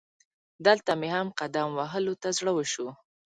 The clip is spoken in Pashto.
دلته مې هم قدم وهلو ته زړه وشو.